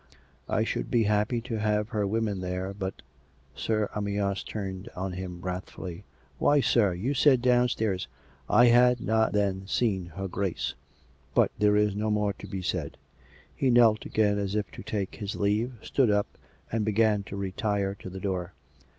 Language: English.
I should be happy to have her women here, but " Sir Amyas turned on him wrathfuUy. COME RACK! COME ROPE! 311 Why, sir, you said downstairs "" I had not then seen her Grace. But there is no more to be said " He kneeled again as if to take his leave, stood up, and began to retire to the door.